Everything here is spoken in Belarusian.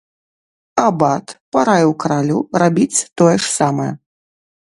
Абат параіў каралю рабіць тое ж самае.